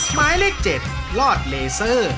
หมายเลข๗ลอดเลเซอร์